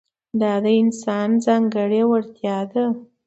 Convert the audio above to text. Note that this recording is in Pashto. دا د انسان ځانګړې وړتیا ده.